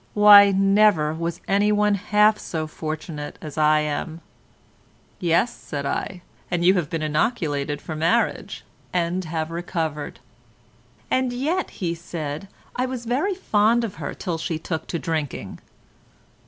Why, never was anyone half so fortunate as I am." "Yes," said I, "you have been inoculated for marriage, and have recovered." "And yet," he said, "I was very fond of her till she took to drinking."